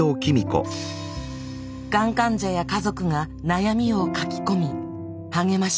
がん患者や家族が悩みを書き込み励まし合える場所。